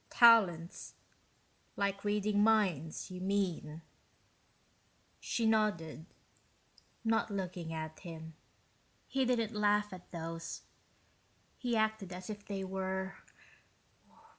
"Talents? Like reading minds, you mean?" She nodded, not looking at him. "He didn't laugh at those. He acted as if they were